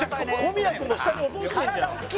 「小宮君も下に落としてんじゃん！」